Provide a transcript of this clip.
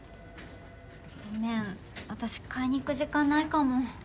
ごめん私買いに行く時間ないかも。